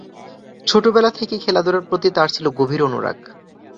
ছোটবেলা থেকেই খেলাধুলার প্রতি তার ছিল গভীর অনুরাগ।